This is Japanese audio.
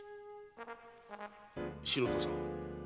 篠田さん